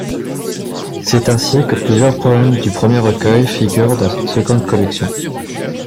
C'est ainsi que plusieurs poèmes du premier recueil figurent dans cette seconde collection.